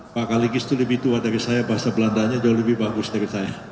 pak kaligis itu lebih tua dari saya bahasa belandanya jauh lebih bagus dari saya